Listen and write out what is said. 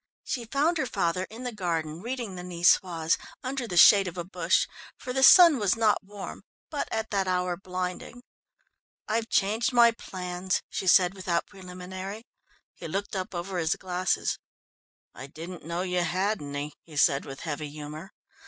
She found her father in the garden reading the Nicoise, under the shade of a bush, for the sun was not warm, but at that hour, blinding. "I've changed my plans," she said without preliminary. He looked up over his glasses. "I didn't know you had any," he said with heavy humour.